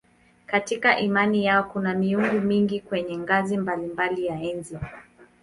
Katika imani yao kuna miungu mingi kwenye ngazi mbalimbali ya enzi.